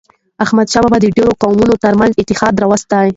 احمدشاه بابا د ډیرو قومونو ترمنځ اتحاد راووست.